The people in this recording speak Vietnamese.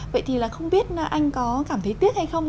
vậy thì là không biết anh có cảm thấy tiếc hay không